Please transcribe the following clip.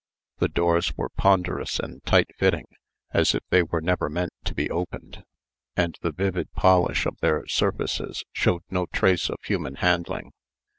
The doors were ponderous and tight fitting, as if they were never meant to be opened; and the vivid polish of their surfaces showed no trace of human handling.